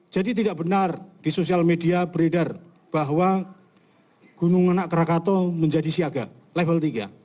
jadi tidak benar di sosial media beredar bahwa gunung anak krakato menjadi siaga level tiga